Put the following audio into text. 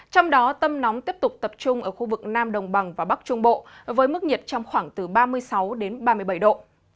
trong đó tâm nóng tiếp tục tập trung ở khu vực nam đồng bằng và bắc trung bộ với mức nhiệt trong khoảng từ ba mươi sáu đến ba mươi bảy độ